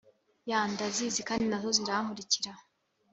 Yh ndazizi kandi na zo zirankurikira